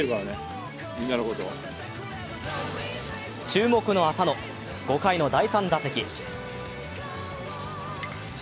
注目の浅野５回の第３打席。